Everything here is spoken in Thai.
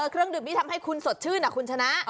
เครื่องดื่มที่ทำให้คุณสดชื่นคุณชนะ